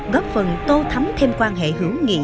góp phần tô thấm thêm quan hệ hữu nghĩ